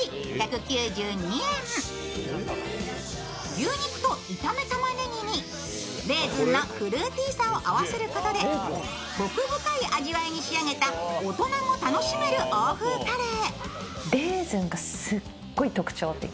牛肉と炒めたまねぎにレーズンのフルーティーさを合わせることで奥深い味わいに仕上げた大人も楽しめる欧風カレー。